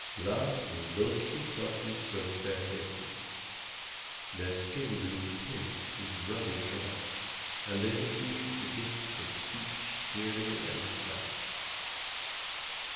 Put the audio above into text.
Lastly Loki softly stroked their faces; their skin grew pink with ruddy color, and they received the gifts of speech, hearing, and sight.